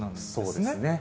そうですね。